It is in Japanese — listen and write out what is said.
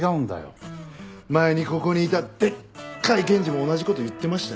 前にここにいたでっかい検事も同じ事言ってましたよ。